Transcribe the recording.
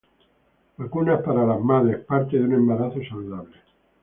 Vacunas para las madres: Parte de un embarazo saludable